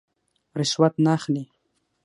رشوت نه اخلي.